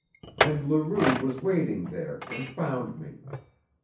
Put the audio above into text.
"And Leroux was waiting there and found me.